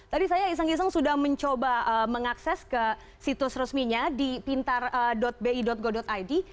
tadi saya iseng iseng sudah mencoba mengakses ke situs resminya di pintar bi go id